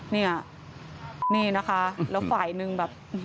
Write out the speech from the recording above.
เนี่ยนี่นะคะแล้วฝ่ายหนึ่งแบบ